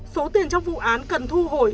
số tiền trong vụ án cần thu hồi